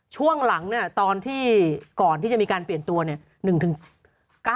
ช่วงหลังเนี่ยตอนที่ก่อนที่จะมีการเปลี่ยนตัวเนี่ย